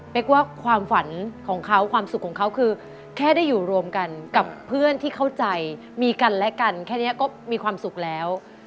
กว่าความฝันของเขาความสุขของเขาคือแค่ได้อยู่รวมกันกับเพื่อนที่เข้าใจมีกันและกันแค่นี้ก็มีความสุขแล้ว